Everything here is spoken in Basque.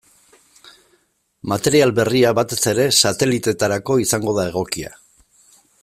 Material berria batez ere sateliteetarako izango da egokia.